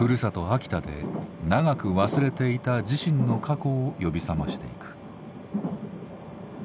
秋田で長く忘れていた自身の過去を呼び覚ましていく。